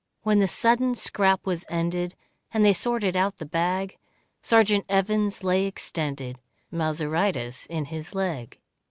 When the sudden scrap was ended, And they sorted out the bag, Sergeant Evans lay extended Mauseritis in his leg.